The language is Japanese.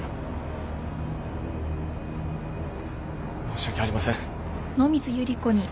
申し訳ありません。